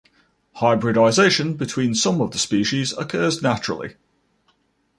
Hybridization between some of the species occurs naturally.